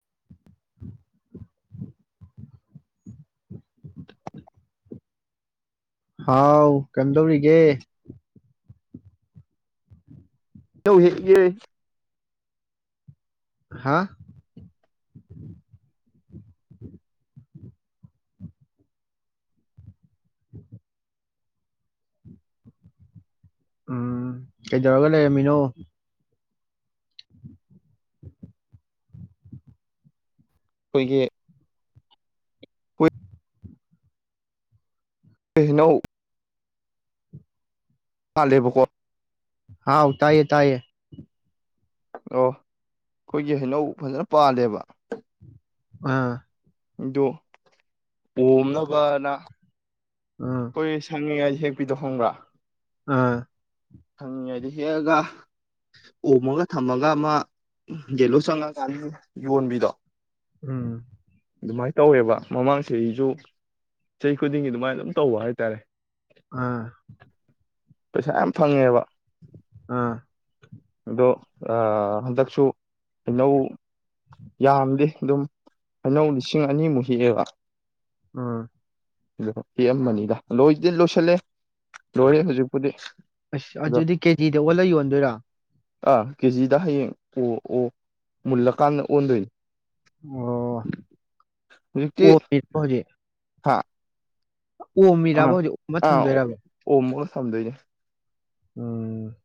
[unintelligible] ꯍꯥꯎ ꯀꯩꯝꯗꯧꯔꯤꯒꯦ ꯑ ꯍꯦꯛꯒ ꯍꯥꯥ ꯎꯝ ꯀꯩꯗꯧꯔꯒ ꯂꯩꯔꯝꯃꯤꯅꯣ ꯑꯩꯈꯣꯏꯒꯤ ꯑꯩꯈꯣꯏ ꯍꯅꯧ ꯐꯗꯦꯕ ꯀꯣ ꯍꯥꯥꯎ ꯎ ꯇꯌꯦ ꯇꯥꯏꯌꯦ ꯑꯣ ꯑꯩꯈꯣꯏꯒꯤ ꯍꯩꯅꯧ ꯐꯖꯅ ꯄꯥꯜꯂꯦꯕ ꯑꯥ ꯑꯗꯨ ꯄꯣꯝꯅꯕꯅ ꯑꯥ ꯑꯩꯣꯏ ꯁꯉ ꯌꯥ ꯍꯦꯛ ꯄꯤꯗꯣ ꯍꯣꯡꯕ꯭ꯔꯥ ꯑꯥ ꯊꯪꯉꯤꯉꯩꯗ ꯍꯦꯛꯑꯒ ꯑꯣꯝꯃꯒ ꯊꯝꯃꯒ ꯑꯃ ꯌꯦꯂꯨ ꯆꯪꯉꯀꯥꯟꯗ ꯌꯣꯟꯕꯤꯗꯣ ꯎꯝ ꯑꯗꯨꯃꯥꯏꯅ ꯇꯧꯋꯦꯕ ꯃꯃꯥꯡ ꯆꯍꯤ ꯑꯩꯁꯨ ꯆꯍꯤ ꯈꯨꯗꯤꯡꯒꯤ ꯑꯗꯨꯃꯥꯏꯅ ꯑꯗꯨꯝ ꯇꯧꯕ ꯍꯥꯏꯇꯥꯔꯦ ꯑꯥ ꯄꯩꯁꯥ ꯌꯥꯝ ꯐꯪꯉꯦꯕ ꯑꯥ ꯑꯗꯣ ꯍꯟꯗꯛꯁꯨ ꯑꯩꯅꯧ ꯌꯥꯝꯗꯤꯦ ꯑꯗꯨꯝ ꯑꯩꯅꯧ ꯂꯤꯁꯤꯡ ꯑꯅꯤꯃꯨꯛ ꯍꯦꯛꯑꯦꯕ ꯑꯝ ꯐꯤ ꯑꯃꯅꯤꯅꯤꯗ ꯂꯣꯏ ꯂꯣꯏꯁꯤꯜꯂꯦ ꯂꯣꯏꯔꯦ ꯍꯧꯖꯤꯛꯄꯨꯗꯤ ꯑꯁ ꯑꯗꯣ ꯑꯗꯨꯗꯤ ꯀꯦꯖꯤꯗ ꯑꯣꯜꯂ ꯌꯣꯟꯗꯣꯏꯔ ꯑꯥ ꯀꯦꯖꯤꯗ ꯍꯌꯦꯡ ꯑꯣ ꯑꯣ ꯃꯨꯜꯂꯀꯥꯟꯗ ꯑꯣꯟꯗꯣꯏ ꯑꯣ ꯑꯣꯖꯤꯦ ꯍꯥꯥ ꯑꯣꯝꯃꯤꯔꯕ ꯍꯧꯖꯤꯛ ꯑꯣꯝꯃ ꯊꯝꯗꯣꯏꯔꯕ꯭ꯔꯣ ꯁꯝꯗꯣꯏꯅꯦꯦ ꯎꯝ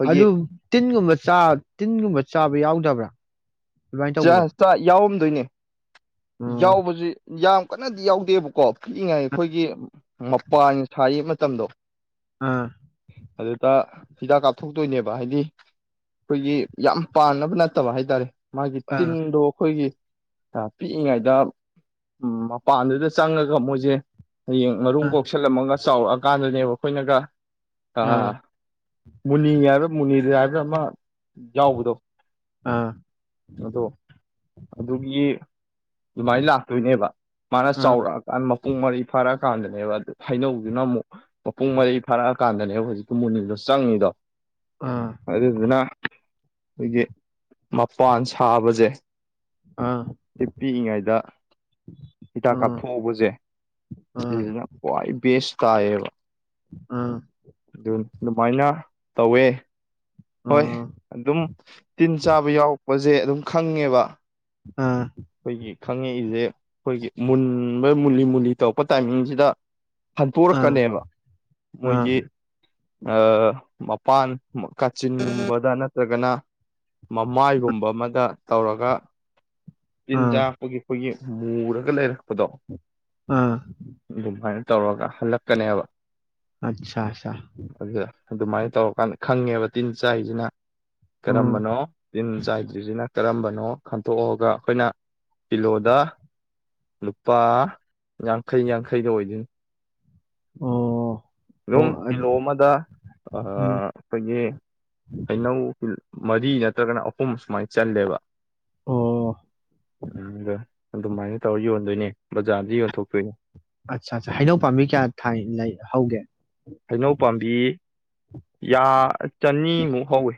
ꯑꯩꯈꯣꯏꯒꯤ ꯑꯗꯨ ꯇꯤꯟꯒꯨꯝꯕ ꯆꯥ ꯇꯤꯟꯒꯨꯝꯕ ꯆꯥꯕ ꯌꯥꯎꯗꯕ꯭ꯔꯥ ꯑꯗꯨꯃꯥꯏꯅ ꯆ ꯇꯧꯕꯁꯦ ꯆ ꯌꯥꯎ ꯑꯗꯨꯣꯏꯅꯦ ꯑꯣ ꯌꯥꯎꯕꯕꯁꯤ ꯌꯥꯝ ꯀꯟꯅꯗꯤ ꯌꯥꯎꯗꯦꯕꯀꯣ ꯄꯤꯛꯏꯉꯥꯏ ꯑꯩꯈꯣꯏꯒꯤ ꯃꯄꯥꯟꯅ ꯁꯥꯔꯤ ꯃꯇꯝꯗꯣ ꯑꯥ ꯑꯗꯨꯗ ꯍꯤꯗꯥꯛ ꯀꯥꯞꯊꯣꯛꯇꯣꯏꯅꯦꯕ ꯍꯥꯏꯗꯤ ꯑꯩꯈꯣꯏꯒꯤ ꯌꯥꯝ ꯄꯥꯅꯕ ꯅꯠꯇꯕ ꯍꯥꯏꯇꯥꯔꯦ ꯃꯥꯒꯤ ꯑꯥ ꯇꯤꯟꯗꯣ ꯑꯩꯈꯣꯏꯒꯤ ꯄꯤꯛꯏꯉꯩꯗ ꯃꯄꯥꯟꯗꯨꯗ ꯆꯪꯉꯒ ꯃꯣꯏꯁꯦ ꯍꯌꯦꯡ ꯃꯔꯨꯝ ꯑꯥ ꯀꯣꯛꯁꯜꯂꯝꯃꯒ ꯆꯥꯎꯔꯛꯑꯀꯥꯟꯗꯅꯦꯕ ꯑꯩꯈꯣꯏꯅꯒ ꯑꯥ ꯃꯅꯤ ꯌꯥꯔ ꯃꯨꯅꯤꯗ ꯌꯥꯔꯃ ꯌꯥꯎꯕꯗꯣ ꯑꯥ ꯑꯥ ꯑꯗꯣ ꯑꯗꯨꯒꯤ ꯑꯗꯨꯃꯥꯏꯅ ꯂꯥꯛꯇꯣꯏꯅꯦꯕ ꯃꯥꯅ ꯑꯥ ꯆꯥꯎꯔꯛꯑꯀꯥꯟꯗ ꯃꯄꯨꯡ ꯃꯔꯔꯤ ꯐꯥꯔꯛ ꯐꯥꯔꯛꯑꯀꯥꯟꯗꯅꯦꯕ ꯑꯗꯨ ꯍꯩꯅꯧꯗꯨꯅ ꯑꯃꯨꯛ ꯃꯄꯨꯡ ꯃꯔꯩ ꯐꯥꯔꯛꯑꯀꯥꯟꯗꯅꯦꯕ ꯍꯧꯖꯤꯛꯇꯤ ꯃꯨꯅꯤꯜꯗꯣ ꯆꯪꯉꯤꯗꯣ ꯑꯥ ꯑꯥ ꯑꯗꯨ ꯑꯗꯨꯅ ꯍꯧꯦ ꯃꯄꯥꯟ ꯁꯥꯕꯁꯦ ꯑꯥ ꯇꯤ ꯄꯤꯛꯏꯉꯩꯗ ꯍꯤꯗꯥꯛ ꯀꯥꯞꯊꯣꯛꯎꯧꯕꯁꯦ ꯁꯤꯁꯤꯅ ꯈ꯭ꯋꯥꯏ ꯕꯦꯁ ꯀꯕ ꯑꯥ ꯑꯗꯨꯃꯥꯏꯅ ꯇꯧꯋꯦ ꯑꯥ ꯍꯣꯏ ꯑꯗꯨꯝ ꯇꯤꯟ ꯆꯥꯕ ꯌꯥꯎꯔꯛꯄꯁ ꯁꯦ ꯑꯗꯨꯝ ꯈꯪꯉꯦꯕ ꯑꯥ ꯑꯩꯈꯣꯏꯒꯤ ꯈꯪꯉꯛꯏꯁꯦ ꯑꯩꯈꯣꯏꯒꯤ ꯃꯨꯟꯕ ꯃꯨꯜꯂꯤ ꯃꯨꯜꯂꯤ ꯇꯧꯔꯛꯄ ꯇꯥꯏꯃꯤꯡꯁꯤꯗ ꯑꯥ ꯍꯟꯇꯣꯔꯛꯀꯅꯦꯕ ꯑꯥ ꯃꯣꯏꯒꯤ ꯃꯄꯥꯟ ꯀꯥꯆꯤꯟꯒꯨꯝꯕꯗ ꯅꯠꯇ꯭ꯔꯒꯅ ꯃꯃꯥꯏꯒꯨꯝꯕ ꯑꯃꯗ ꯇꯧꯔꯒ ꯇꯤꯟꯖꯥ ꯑꯥ ꯍꯒꯤ ꯐꯒꯤ ꯃꯨꯔ ꯀ ꯂꯩꯔ ꯑꯗꯣ ꯑꯥ ꯑꯗꯨꯝ ꯍꯥꯏ ꯇꯧꯔꯒ ꯍꯜꯂꯛꯀꯅꯦꯕ ꯑꯆꯥ ꯑꯆꯥ ꯑꯗꯨꯗ ꯑꯗꯨꯃꯥꯏꯅ ꯇꯧꯔꯀꯥꯟꯗ ꯈꯪꯉꯦꯕ ꯇꯤꯟ ꯆꯥꯏꯁꯤꯅ ꯎꯝ ꯀꯔꯝꯕꯅꯣ ꯇꯤꯟ ꯆꯥꯏꯗ꯭ꯔꯤꯁꯤꯅ ꯀꯔꯝꯕꯅꯣ ꯈꯟꯇꯣꯛꯑꯒ ꯑꯩꯈꯣꯏꯅ ꯀꯤꯂꯣꯗ ꯂꯨꯄꯥ ꯌꯥꯡꯈꯩ ꯌꯥꯡꯈꯩꯗ ꯑꯣꯏꯗꯣꯏꯅꯤ ꯑꯣ ꯑꯣ ꯑꯗꯨꯝ ꯀꯤꯂꯣ ꯑꯃꯗ ꯎꯝ ꯑꯩꯈꯣꯏꯒꯤ ꯍꯩꯅꯧ ꯃꯔꯤ ꯅꯠꯇ꯭ꯔꯒꯅ ꯑꯍꯨꯝ ꯁꯨꯃꯥꯏꯅ ꯆꯜꯂꯦꯕ ꯑꯣ [unintelligible] ꯑꯗꯨꯃꯥꯏꯅ ꯇꯧꯔ ꯌꯣꯟꯗꯣꯏꯅꯦ ꯕꯖꯥꯔꯗ ꯌꯣꯟꯊꯣꯛꯇꯣꯏꯅꯦ ꯑꯠꯆꯥ ꯑꯆꯥ ꯍꯩꯅꯧ ꯄꯥꯝꯕꯤ ꯀꯌꯥ ꯊꯥꯏ ꯂꯩ ꯍꯧꯒꯦ ꯍꯩꯅꯧ ꯄꯥꯝꯕꯤ ꯌꯥ ꯆꯅꯤꯃꯨꯛ ꯍꯧꯏ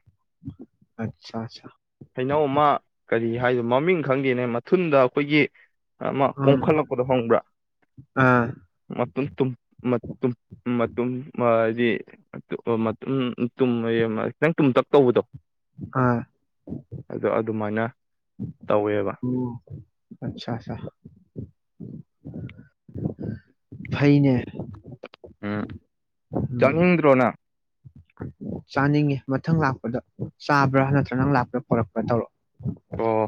ꯑꯆꯥ ꯑꯆꯥ ꯍꯩꯅꯧ ꯑꯃ ꯀꯔꯤ ꯍꯥꯏꯗ ꯃꯃꯤꯡ ꯈꯪꯗꯦꯅꯦ ꯃꯊꯟꯗ ꯑꯩꯈꯣꯏꯒꯤ ꯑꯃ ꯎꯝ ꯀꯣꯡꯈꯠꯂꯛꯄꯗ ꯍꯪꯕ꯭ꯔꯥ ꯑꯥ ꯃꯊꯨꯝ ꯃꯇꯨꯝ ꯈꯤꯇꯪ ꯇꯨꯝꯇꯛ ꯇꯧꯕꯗꯣ ꯑ ꯑꯗꯣ ꯑꯗꯨꯃꯥꯏꯅ ꯇꯧꯋꯦꯕ ꯑꯣ ꯐꯥꯏꯅꯦ ꯎꯝ ꯆꯥꯅꯤꯡꯗ꯭ꯔꯣꯅ ꯆꯥꯅꯤꯡꯉꯦ ꯃꯊꯪ ꯂꯥꯛꯄꯗ ꯆꯥꯕ꯭ꯔꯥ ꯅꯠꯇ꯭ꯔ ꯅꯪ ꯂꯥꯛꯄ꯭ꯔꯥ ꯄꯣꯔꯛꯄ꯭ꯔꯥ ꯇꯧꯔꯛꯑꯣ ꯑꯣ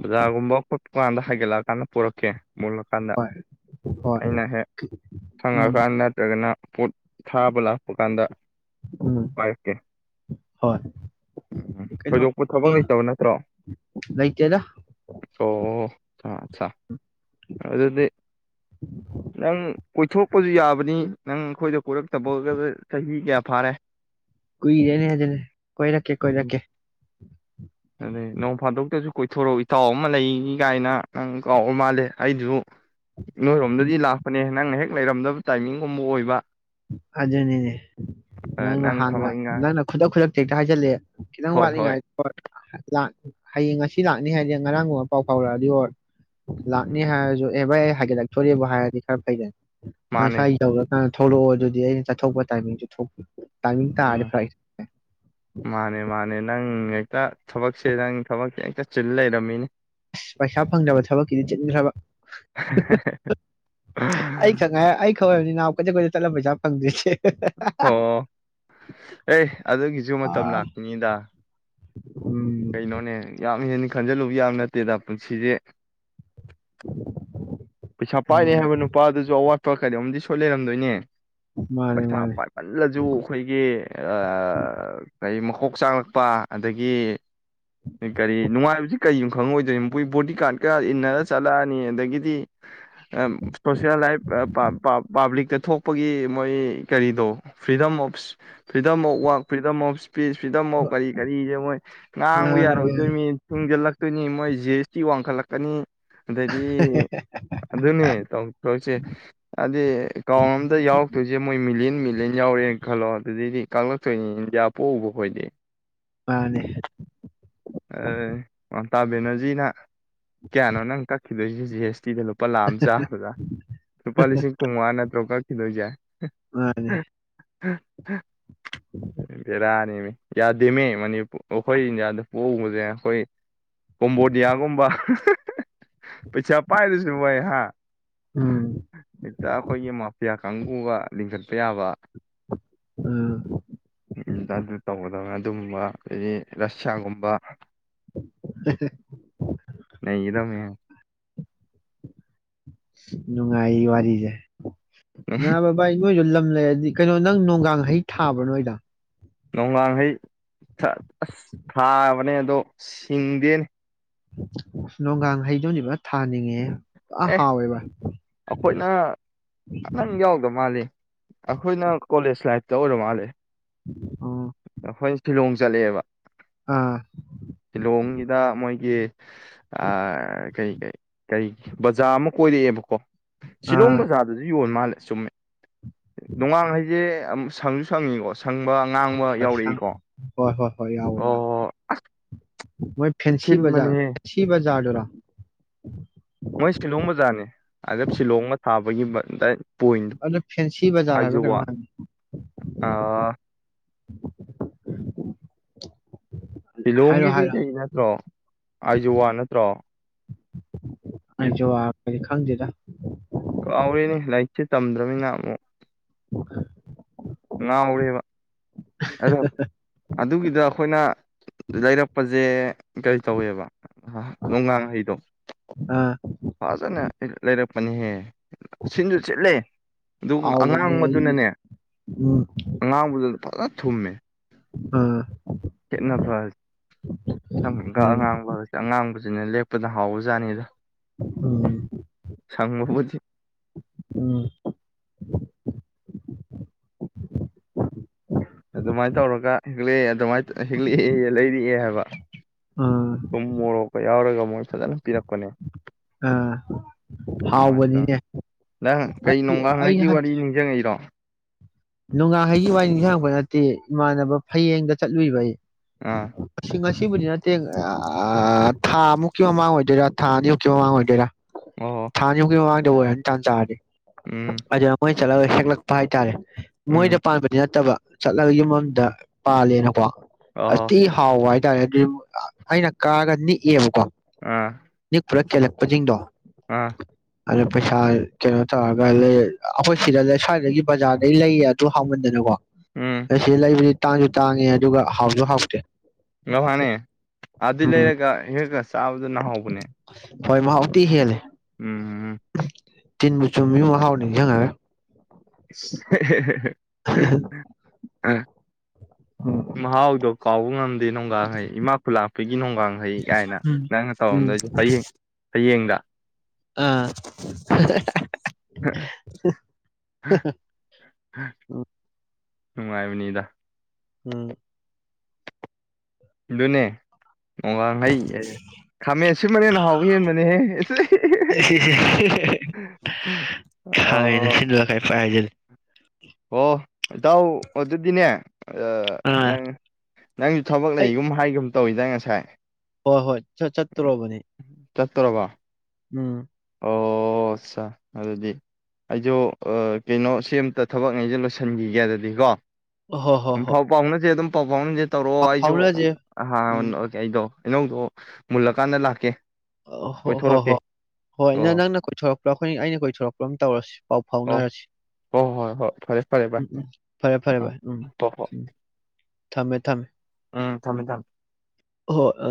ꯕꯖꯥꯔꯒꯨꯝꯕ ꯈꯣꯠꯄ ꯀꯥꯟꯗ ꯍꯥꯏꯒꯠꯂꯛꯑꯀꯥꯟꯗ ꯄꯨꯔꯛꯀꯦ ꯃꯨꯜꯂꯀꯥꯟꯗ ꯍꯣꯏ ꯍꯣꯏ ꯑꯩꯅ ꯍꯦꯛ ꯎꯝ ꯁꯪꯉꯀꯥꯟ ꯅꯠꯇ꯭ꯔꯒꯅ ꯄꯣꯠ ꯊꯥꯕ ꯂꯥꯛꯄ ꯀꯥꯟꯗ ꯎꯝ ꯄꯥꯏꯔꯛꯀꯦ ꯍꯣꯏ ꯎꯝ ꯀꯩꯅꯣ ꯊꯣꯏꯗꯣꯛꯄ ꯊꯕꯛ ꯀꯩꯅꯣ ꯂꯩꯇꯕ ꯅꯠꯇ꯭ꯔꯣ ꯂꯩꯇꯦꯗ ꯑꯣ ꯆꯥ ꯑꯗꯨꯗꯤ ꯅꯪ ꯀꯣꯏꯊꯣꯛꯄꯁꯨ ꯌꯥꯕꯅꯤ ꯅꯪ ꯑꯩꯈꯣꯏꯗ ꯀꯣꯏꯔꯛꯇꯕꯒ ꯆꯍꯤ ꯀꯌꯥ ꯐꯥꯔꯦ ꯀꯣꯏꯔꯦꯅꯤ ꯍꯥꯏꯖꯅꯦ ꯀꯣꯏꯔꯛꯀꯦ ꯀꯣꯏꯔꯛꯀꯦ ꯑꯗꯨꯅꯤ ꯅꯣꯡ ꯐꯥꯗꯣꯛꯇꯁꯨ ꯀꯣꯏꯊꯣꯔꯛꯎ ꯏꯇꯥꯎ ꯑꯃ ꯂꯩꯅꯤ ꯀꯥꯏꯅ ꯅꯪ ꯀꯥꯎꯔ ꯃꯥꯜꯂꯦ ꯑꯩꯁꯨ ꯅꯣꯏꯔꯣꯝꯗꯗꯤ ꯂꯥꯛꯄꯅꯦ ꯅꯪꯅ ꯍꯦꯛ ꯂꯩꯔꯝꯗꯕ ꯇꯥꯏꯃꯤꯡꯒꯨꯝꯕ ꯑꯣꯏꯕ ꯑꯗꯨꯅꯤꯅꯦ ꯅꯪꯅ ꯅꯪ ꯍꯥꯟꯅ ꯊꯕꯛ ꯏꯪꯈꯥꯡ ꯅꯪꯅ ꯈꯨꯗꯛ ꯈꯨꯗꯛꯇ ꯍꯦꯛꯇ ꯍꯥꯏꯖꯤꯜꯂꯦ ꯈꯤꯇꯪ ꯋꯥꯠꯂꯤꯉꯥꯏ ꯍꯣꯏ ꯍꯌꯦꯡ ꯉꯁꯤ ꯂꯥꯛꯅꯤ ꯍꯥꯏꯗꯤ ꯉꯔꯥꯡꯒꯨꯝꯕ ꯄꯥꯎ ꯐꯥꯎꯔꯛꯑꯗꯤ ꯍꯔ ꯂꯣꯛꯅꯤ ꯎꯝ ꯍꯥꯏꯔꯖꯨ ꯑꯦ ꯚꯥꯏ ꯍꯥꯏꯒꯠꯂꯛꯇꯣꯏꯔꯦꯕꯨ ꯍꯥꯏꯔꯖꯨ ꯈꯔ ꯐꯩꯗꯅ ꯃꯥꯅꯦ ꯉꯁꯥꯏ ꯇꯧꯔ ꯀꯥꯟ ꯊꯣꯛꯂꯛꯑꯣ ꯑꯗꯨꯗꯤ ꯑꯩꯅ ꯆꯠꯊꯣꯛꯄ ꯇꯥꯏꯃꯤꯡꯁꯨ ꯊꯣꯛꯄꯤꯌꯨ ꯎꯝ ꯃꯥꯅꯦ ꯃꯥꯅꯦ ꯅꯪ ꯍꯦꯛꯇ ꯊꯕꯛꯁꯦ ꯅꯪ ꯊꯕꯛꯁꯦ ꯍꯦꯛꯇ ꯆꯤꯜ ꯂꯩꯔꯝꯃꯤꯅꯤ ꯑꯁ ꯄꯩꯁꯥ ꯐꯪꯗꯕ ꯊꯕꯛꯀꯤꯗꯤ ꯆꯤꯟꯈ꯭ꯔꯕ ꯑꯩ ꯈꯛ ꯉꯥꯏ ꯑꯩ ꯊꯣꯏꯕꯅꯤ ꯅꯥꯎ ꯀꯩ ꯑꯩꯈꯣꯏ ꯆꯠꯂꯝ ꯄꯩꯁꯥ ꯐꯪꯗꯔꯤꯁꯦ ꯑꯣ ꯑꯦ ꯑꯗꯨꯒꯤꯁꯨ ꯃꯇꯝ ꯑꯥ ꯂꯥꯛꯈꯤꯅꯤꯗ ꯎꯝ ꯀꯩꯅꯣꯅꯦ ꯌꯥꯝ ꯍꯦꯟꯅ ꯈꯟꯖꯤꯜꯂꯨꯕ ꯌꯥꯕ ꯅꯠꯇꯦꯗ ꯄꯨꯟꯁꯤꯁꯦ ꯎ ꯄꯩꯁꯥ ꯄꯥꯏꯅꯤ ꯍꯥꯏꯕ ꯅꯨꯄꯥꯗꯨꯁꯨ ꯑꯋꯥꯠ ꯄ ꯀꯩꯅꯣꯝꯗꯤ ꯁꯣꯏ ꯂꯩꯔꯝꯗꯣꯏꯅꯦ ꯃꯥꯅꯦ ꯄꯩꯁꯥ ꯃꯥꯅꯦ ꯄꯥꯏꯃꯜꯂꯁꯨ ꯑꯩꯈꯣꯏꯒꯤ ꯀꯔꯤ ꯀꯣꯛ ꯆꯥꯛꯂꯛꯄ ꯑꯗꯒꯤ ꯀꯔꯤ ꯅꯨꯡꯉꯥꯏꯕꯁꯤ ꯀꯔꯤꯅꯣ ꯈꯪꯉꯣꯏꯗꯣꯏꯔꯤ ꯃꯈꯣꯏ ꯕꯣꯗꯤ ꯒꯥꯔꯗꯀ ꯏꯟꯅꯔ ꯆꯠꯂꯛꯑꯅꯤ ꯑꯗꯒꯤꯗꯤ ꯁꯣꯁꯦꯜ ꯂꯥꯏꯐ ꯄꯥꯕ꯭ꯂꯤꯛꯇ ꯊꯣꯛꯄꯒꯤ ꯃꯣꯏ ꯀꯔꯤꯗꯣ freedom of freedom of work freedom of speech of ꯐ꯭ꯔꯤꯗꯝꯐꯥꯎ ꯀꯔꯤ ꯀꯔꯤꯁꯦ ꯃꯣꯏ ꯉꯥꯡꯕ ꯃꯥꯅꯦ ꯌꯥꯔꯣꯏꯗꯣꯏꯅꯤ ꯊꯤꯡꯖꯤꯜꯂꯛꯇꯣꯏꯅꯤ ꯃꯣꯏ ꯖꯤ ꯑꯦꯁ ꯇꯤ ꯋꯥꯡꯈꯠꯂꯛꯀꯅꯤ ꯑꯗꯗꯤ ꯑꯗꯨꯅꯦ ꯇꯧꯊꯣꯛꯂꯤꯁꯦ ꯍꯥꯏꯗꯤ ꯔꯥꯎꯟ ꯑꯝꯗ ꯌꯥꯎꯔꯛꯇꯣꯏꯁꯦ ꯃꯣꯏ ꯃꯤ ꯃꯤꯂꯤꯌꯟ ꯃꯤꯂꯤꯌꯟ ꯌꯥꯎꯔꯦꯅ ꯈꯜꯂꯣ ꯑꯗꯨꯗꯤ ꯀꯥꯛꯂꯛꯇꯣꯏꯅꯤ ꯏꯟꯗꯤꯌꯥ ꯄꯣꯛꯎꯕ ꯈꯣꯏꯗꯤ ꯃꯥꯅꯦ ꯑꯦ ꯃꯝꯇꯥ ꯕꯦꯅꯔꯖꯤꯅ ꯀꯌꯥꯅꯣ ꯅꯪ ꯀ ꯐꯂꯣꯖꯤ ꯖꯤ ꯑꯦꯁ ꯐꯇꯤꯗ ꯂꯨꯄꯥ ꯂꯥꯛ ꯑꯃ ꯆꯥꯕꯗꯥ ꯂꯨꯄꯥ ꯂꯤꯁꯤꯡ ꯀꯨꯟꯃꯉꯥ ꯅꯠꯇ꯭ꯔꯣ ꯀꯛ ꯗꯣꯏꯖꯦ ꯃꯥꯅꯦ ꯎꯝ ꯎꯝ ꯕꯦꯔꯥꯅꯤꯃꯦ ꯌꯥꯗꯦꯃꯦ ꯃꯅꯤꯄꯨꯔ ꯑꯩꯈꯣꯏ ꯏꯟꯗꯤꯌꯥꯗꯣ ꯄꯣꯛꯎꯕꯁꯦ ꯑꯩꯈꯣꯏ ꯀꯣꯝꯕꯣꯗꯤꯌꯥꯒꯨꯝꯕ ꯄꯩꯁꯥ ꯄꯥꯏꯗꯁꯨ ꯃ ꯑꯩꯍ ꯎꯝ ꯏꯗꯈꯣꯏ ꯃꯥꯐꯌꯥ ꯀꯥꯡꯕꯨꯒ ꯂꯤꯡꯈꯠꯄ ꯌꯥꯕ ꯎꯝ ꯎꯝ ꯑꯗꯨ ꯑꯗꯨ ꯇꯧꯕꯗ ꯑꯗꯨꯒꯕ ꯑꯩ ꯔꯁꯤꯌꯥꯒꯨꯝꯕ ꯕꯥ ꯅꯗꯝ ꯅꯨꯡꯉꯥꯏ ꯋꯥꯔꯤꯁꯦ ꯕꯥ ꯅꯣꯏꯗꯣ ꯂꯝ ꯂꯩꯔꯗꯤ ꯀꯩꯅꯣ ꯅꯪ ꯅꯣꯡꯒꯡ ꯍꯩ ꯊꯥꯕ꯭ꯔꯥ ꯅꯣꯏꯗ ꯅꯣꯡꯍꯡꯈꯩ ꯑ ꯊꯥꯕꯅꯦ ꯑꯗꯣ ꯁꯤꯡꯗꯦꯅꯤ ꯅꯣꯡꯒꯥꯡ ꯍꯩꯗꯧꯅꯦꯕ ꯊꯥꯅꯤꯡꯉꯦ ꯑꯥ ꯑꯦ ꯍꯥꯎꯋꯦ ꯚꯥꯏ ꯑꯩꯈꯣꯏꯅ ꯑ ꯅꯪ ꯌꯥꯎꯗ ꯃꯥꯜꯂꯤ ꯑꯩꯈꯣꯏꯅ ꯀꯣꯂꯦꯖ ꯂꯥꯏꯐꯇ ꯑꯣꯏꯔ ꯃꯥꯜꯂꯦ ꯎꯝ ꯖꯂꯦꯕ ꯑꯥ ꯑ ꯀꯩ ꯀꯔꯤ ꯕꯖꯥꯔ ꯑꯃ ꯀꯣꯏꯔꯛꯑꯦꯕꯀꯣ ꯁꯤꯂꯣꯡ ꯑꯥ ꯕꯖꯥꯔꯗꯁꯨ ꯌꯣꯟ ꯃꯥꯜꯂꯦ ꯁꯨꯝꯃꯦ ꯅꯣꯡꯉꯥꯡ ꯍꯥꯏꯩꯁꯦ ꯁꯪꯁꯨ ꯁꯪꯉꯤꯀꯣ ꯁꯪꯕ ꯑ ꯉꯥꯡꯕ ꯁꯪ ꯌꯥꯎꯔꯛꯏꯀꯣ ꯍꯣꯏ ꯍꯣꯏ ꯍꯣꯏ ꯌꯥꯎꯋꯦ ꯌꯥꯎꯋꯦ ꯑꯣ ꯃꯣꯏ ꯐꯦꯟꯁꯤꯖ ꯊꯤꯟꯕꯅꯦꯍꯦ ꯐ ꯖꯗꯔ ꯃꯣꯏ ꯁꯤꯂꯣꯡ ꯕꯖꯥꯔꯅꯦ ꯑꯗ ꯁꯤꯂꯣꯡꯒ ꯊꯥꯕꯒꯤ ꯄꯣꯏꯟꯗꯣ ꯑꯣ ꯐꯦꯟꯁꯤ ꯖꯥ ꯑꯥꯏꯖꯣꯋꯥ ꯍꯥꯏꯕꯔ ꯑꯥ ꯍꯥꯏꯔꯣ ꯂꯤꯂꯣꯡꯒꯤꯗꯤ ꯍꯥꯏꯔꯣ ꯀꯩ ꯅꯠꯇ꯭ꯔꯣ ꯑꯥꯏꯖꯋꯥ ꯅꯠꯇ꯭ꯔꯣ ꯑꯩꯁꯨ ꯈꯪꯗꯦꯗ ꯀꯥꯎꯋꯦꯅꯦ ꯂꯥꯏꯔꯤꯛꯁꯦ ꯇꯝꯗ꯭ꯔꯃꯤꯅꯤꯅ ꯑꯃꯨꯛ ꯑꯣꯦ ꯉꯥꯎꯔꯦꯕ ꯑꯗꯣ ꯑꯗꯨꯒꯤꯗ ꯑꯩꯈꯣꯏꯅ ꯂꯩꯔꯛꯄꯁꯦ ꯀꯔꯤ ꯇꯧꯋꯦꯕ ꯑ ꯣꯡ ꯉꯥꯡꯍꯩꯗꯣ ꯑꯥ ꯍꯖꯅꯦ ꯂꯩꯔꯦ ꯃꯅꯤ ꯍꯦ ꯁꯤꯟꯁꯨ ꯆꯠꯂꯦ ꯑꯗꯨꯒ ꯍꯥꯎꯕꯅꯦ ꯑꯩꯗꯤ ꯑꯉꯥꯡꯕꯗꯨꯅꯅꯦ ꯎꯝ ꯑꯉꯥꯡꯕꯗꯨ ꯄ ꯊꯨꯝꯃꯦ ꯑ ꯈꯦꯠꯅꯕ ꯁꯝꯒ ꯎꯝ ꯑꯉꯥꯡꯕ ꯑꯉꯥꯡꯕꯁꯤꯅ ꯂꯦꯄ ꯄꯗ ꯍꯥꯎꯕꯖꯥꯅꯤꯗꯣ ꯎꯝ ꯁꯪꯕꯕꯗꯤ ꯎꯝ ꯑꯗꯨꯃꯥꯏꯅ ꯇꯧꯔꯒ ꯍꯂꯑꯦ ꯑꯗꯨꯃꯥꯏꯅ ꯍꯤꯂꯛꯑꯦ ꯂꯩꯔꯛꯑꯦ ꯍꯥꯏꯕ ꯑꯥ ꯁꯨꯝ ꯃꯣꯔꯣꯛꯀ ꯌꯥꯎꯔꯒ ꯃꯣꯏ ꯐꯖꯅ ꯄꯤꯔꯛꯄꯅꯦ ꯑꯥ ꯅꯨꯡꯥꯏꯇꯔꯦ ꯍꯥꯎꯕꯅꯤꯅꯦ ꯅꯗꯪ ꯀꯩ ꯑꯩ ꯅꯣꯡꯒꯈꯩꯒꯤ ꯋꯥꯔꯤ ꯅꯤꯡꯁꯤꯡꯉꯛꯏꯔꯣ ꯅꯣꯡꯉꯥꯍꯩꯒꯤ ꯋꯥ ꯅꯤꯡꯁꯤꯡꯥꯡꯉꯛꯄ ꯅꯠꯇꯦ ꯏꯃꯥꯟꯅꯕ ꯐꯌꯦꯡꯗ ꯆꯠꯂꯨꯏꯕ ꯑꯩ ꯑꯥ ꯁꯤꯉ ꯁꯤꯕꯨꯗꯤ ꯅꯠꯇꯦ ꯊꯥꯃꯨꯛꯀꯤ ꯃꯃꯥꯡ ꯑꯣꯏꯗꯣꯏꯔꯥ ꯊꯥ ꯑꯅꯤꯃꯨꯛꯀꯤ ꯃꯃꯥꯡ ꯑꯣꯏꯗꯣꯏꯔꯥ ꯑꯣꯍꯣ ꯊꯥ ꯑꯅꯤꯃꯨꯛꯀꯤ ꯃꯃꯥꯡꯗ ꯑꯣꯏꯔꯅꯤ ꯇꯥꯟ ꯆꯥꯔꯗꯤ ꯎꯝ ꯑ ꯃꯣꯏ ꯆꯠꯂꯒ ꯁꯦꯂꯛꯄ ꯍꯥꯏꯇꯥꯔꯦ ꯃꯣꯏꯗ ꯎꯝ ꯄꯥꯟꯕꯗꯤ ꯅꯠꯇꯕ ꯆꯠꯂꯒ ꯌ ꯃꯝꯗ ꯄꯥꯜꯂꯦꯅꯀꯣ ꯑꯣꯍꯣ ꯑꯁꯤ ꯍꯥꯎꯏ ꯍꯥꯏꯇꯥꯔꯦ ꯑꯗꯨꯗꯤ ꯑꯩꯅ ꯀꯥꯔꯒ ꯅꯤꯛꯑꯕ ꯑꯥ ꯄꯨꯔꯥ ꯀꯦꯜꯂꯛꯄꯁꯤꯡꯗꯣ ꯑꯥ ꯑꯗ ꯄꯩꯁꯥ ꯀꯩꯅꯣ ꯇꯧꯔꯒ ꯂꯩ ꯑꯩꯈꯣꯏ ꯁꯤꯗ ꯂꯩ ꯁ꯭ꯋꯥꯏꯗꯒꯤ ꯕꯖꯥꯔꯗꯗꯒꯤ ꯂꯩꯌꯦ ꯣ ꯍꯥꯡꯃꯗꯅꯀꯣ ꯎꯝ ꯁꯤ ꯂꯥꯏꯕ꯭ꯔꯦꯔꯤ ꯇꯥꯡꯁꯨ ꯇꯥꯡꯉꯦ ꯑꯗꯨꯒ ꯍꯥꯎꯁꯨ ꯍꯥꯎꯇꯦ ꯉꯃꯥꯅꯦ ꯑꯗꯨ ꯎꯝ ꯂꯩꯔꯒ ꯍꯦꯛꯒ ꯆꯥꯕꯗꯨꯅ ꯍꯥꯎꯕꯅꯦ ꯍꯣꯏ ꯃꯍ ꯎꯇ ꯍꯦꯜ ꯎꯝ ꯇꯤꯟꯕꯨ ꯆꯨꯝꯃꯤ ꯍꯥꯎꯅꯤꯡ ꯍꯉꯒꯦ [inaudible] ꯍꯝꯝ ꯑꯥ ꯎꯝ ꯃꯍꯥꯎꯗꯣ ꯀꯥꯎꯕ ꯉꯝꯗꯦ ꯣꯡꯒ ꯍꯩ ꯏꯃꯥ ꯈꯨ ꯂꯥꯛꯄꯒꯤ ꯅꯣꯡꯒ ꯍꯩ ꯀꯥꯏꯅ ꯅꯪꯅ ꯎꯝ ꯇꯧꯔꯝꯗꯣꯏꯁ ꯍꯌꯦꯡ ꯍꯌꯦꯡꯗ ꯑꯥ [unintelligible] ꯅꯨꯡꯉꯥꯏꯕꯅꯤꯗ ꯎꯝ ꯅꯦ ꯒꯥꯡ ꯍꯩ ꯑꯦ ꯈꯥꯃꯦꯟ ꯑꯁꯤ ꯃꯔꯦꯟ ꯅ ꯍꯥꯎꯕ ꯍꯦꯟꯕꯅꯦꯍꯦ ꯈꯃꯤꯅ ꯑꯣ ꯁꯤꯂꯥꯏ ꯐꯥꯖꯜ ꯑꯣ ꯏꯇꯥꯎ ꯑꯗꯨ ꯑꯗꯨꯗꯤꯅꯦ ꯑ ꯑꯥ ꯅꯪ ꯅꯪꯁꯨ ꯊꯕꯛ ꯑꯩ ꯂꯩꯒꯨꯝ ꯍꯥꯏꯒꯨꯝ ꯇꯧꯋꯤꯗ ꯉꯁꯥꯏ ꯍꯣꯏ ꯍꯣꯏ ꯆꯠꯇꯣꯔꯕꯅꯦ ꯆꯠꯇ꯭ꯔꯔꯕ ꯎꯝ ꯑꯣ ꯑꯆꯥ ꯑꯗꯨꯗꯤ ꯑꯩꯁꯨ ꯀꯩꯅꯣ ꯁꯦꯝꯇ ꯊꯕꯛꯉꯩꯁꯦ ꯂꯣꯏꯁꯤꯟꯈꯤꯒꯦ ꯑꯗꯨꯗꯤ ꯀꯣ ꯍꯣꯏ ꯍꯣꯏ ꯎꯝ ꯍꯣꯏ ꯐꯥꯎ ꯐꯥꯎꯅꯁꯦ ꯑꯗꯨꯝ ꯄꯕꯅꯤ ꯇꯧꯔꯛꯑꯣ ꯄꯥꯎ ꯐꯥꯎꯅꯁꯦ ꯑꯩꯁꯨꯀꯦ ꯑꯩꯗꯣ ꯑꯩꯅꯧꯗꯣ ꯃꯨꯜꯂꯀꯥꯟꯗ ꯂꯥꯛꯀꯦ ꯍꯣꯏ ꯍꯣꯏ ꯀꯣꯏꯊꯣꯔꯛꯀꯦ ꯍꯣꯏ ꯍꯣꯏ ꯅ ꯑꯣ ꯅꯪꯅ ꯀꯣꯏꯊꯣꯔꯛꯄ꯭ꯔꯥ ꯑꯩꯈꯣꯏ ꯑꯩꯅ ꯀꯣꯏꯊꯣꯔꯛꯄ꯭ꯔ ꯑꯃ ꯇꯧꯔꯁꯤ ꯄꯥꯎ ꯑꯣ ꯐꯥꯎꯅꯔꯁꯤ ꯍꯣꯏ ꯍꯣꯏ ꯍꯣꯏ ꯐꯔꯦ ꯐꯔꯦ ꯚꯥꯏ ꯎꯝ ꯎꯝ ꯐꯔꯦ ꯐꯔꯦ ꯑꯥ ꯚ ꯎꯝ ꯍꯣꯏ ꯍꯣꯏ ꯎꯝ ꯊꯝꯃꯦ ꯊꯝꯃꯦ ꯎꯝ ꯊꯝꯃꯦ ꯊꯝꯃꯦ ꯍ ꯑ